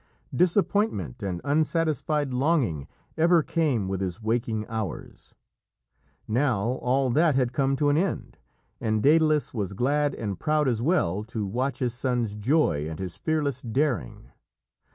Disappointment and unsatisfied longing ever came with his waking hours. Now all that had come to an end, and Dædalus was glad and proud as well to watch his son's joy and his fearless daring.